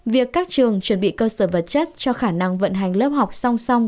việc các trường chuẩn bị cơ sở vật chất cho khả năng vận hành lớp học song song